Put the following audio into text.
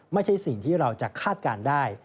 ไม่ใช่สิ่งที่เราจะคาดการณ์ได้